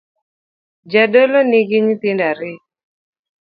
Jadolo nigi nyithindo ariyo